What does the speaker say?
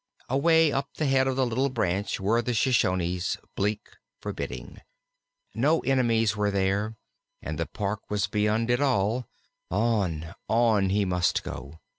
Away up the head of the little branch were the Shoshones, bleak, forbidding; no enemies were there, and the Park was beyond it all on, on he must go.